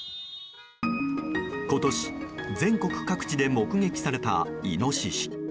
今年、全国各地で目撃されたイノシシ。